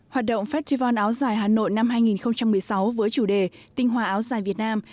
hoạt động festival áo dài hà nội năm hai nghìn một mươi sáu với chủ đề tinh hòa áo dài việt nam